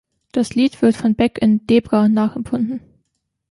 Das Lied wird von Beck in „Debra“ nachempfunden.